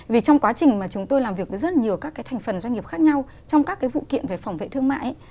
vì trong quá trình mà chúng tôi làm việc với rất nhiều các cái thành phần doanh nghiệp khác nhau trong các cái vụ kiện về phòng vệ thương mại